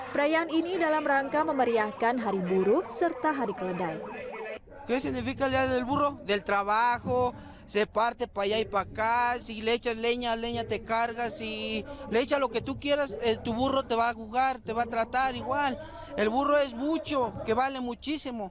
perayaan ini dalam rangka memeriahkan hari buruh serta hari keledai